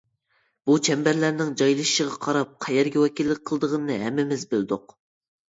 بۇ چەمبەرلەرنىڭ جايلىشىشىغا قاراپ قەيەرگە ۋەكىللىك قىلىدىغىنىنى ھەممىمىز بىلدۇق.